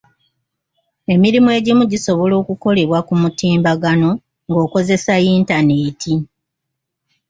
Emirimu egimu gisobola okukolebwa ku mutimbagano ng'okozesa yintaneeti.